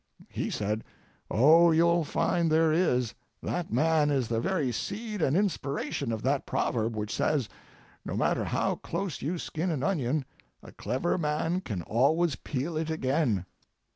He said, "Oh, you'll find there is; that man is the very seed and inspiration of that proverb which says, 'No matter how close you skin an onion, a clever man can always peel it again.'"